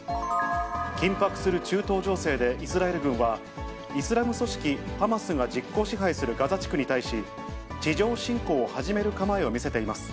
緊迫する中東情勢で、イスラエル軍は、イスラム組織ハマスが実効支配するガザ地区に対し、地上侵攻を始める構えを見せています。